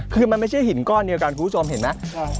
คือมันไม่ใช่หินก้อนเดียวกันคุณผู้ชมเห็นไหม